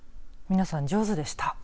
皆さん、上手でした。